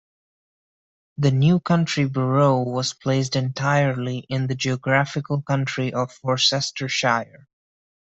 The new county borough was placed entirely in the geographical county of Worcestershire.